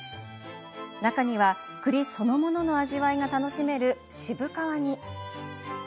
中には、栗そのものの味わいが楽しめる、渋皮煮。